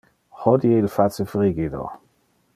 Hodie il face frigido.